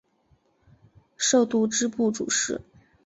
授度支部主事。